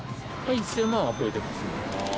１０００万は超えてますね。